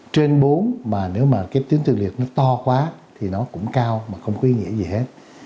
trên bốn mà nếu mà cái tuyến tuyến liệt nó to quá thì nó cũng cao mà không có ý nghĩa gì hết